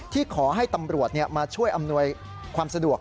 ที่ขอให้ตำรวจมาช่วยอำนวยความสะดวก